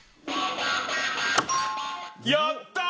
やったー！